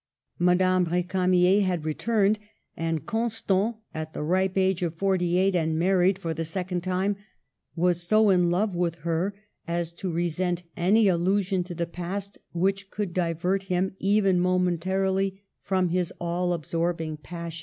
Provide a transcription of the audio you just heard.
Madame R6camier had returned and Constant, at the ripe age of forty eight and married for the second time, was so in love with her as to resent any allusion to the past which could divert him, even momentarily, from his all absorbing passion.